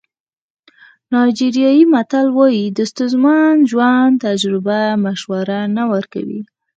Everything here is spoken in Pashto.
نایجیریایي متل وایي د ستونزمن ژوند تجربه مشوره نه ورکوي.